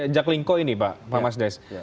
jaklingco ini pak pak mas des